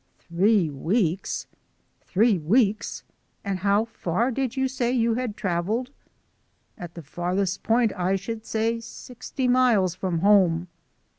"Three weeks." "Three weeks! And how far did you say you had travelled?" "At the farthest point, I should say sixty miles from home."